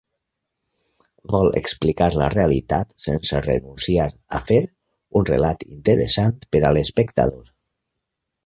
Vol explicar la realitat, sense renunciar a fer un relat interessant per a l'espectador.